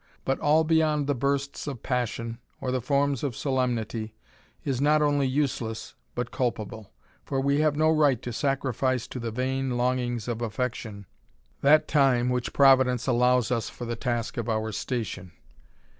But all beyond the bursts of passion, or the forms of solemnity, is not only useless, but culpable ; for we have no right to sacrifice to the vain longings of affection, that time which Providence allows us for the task of our station.